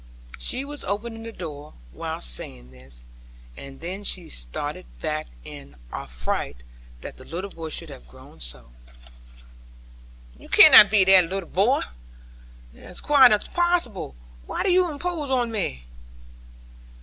She was opening the door, while saying this, and then she started back in affright that the little boy should have grown so. 'You cannot be that leetle boy. It is quite impossible. Why do you impose on me?'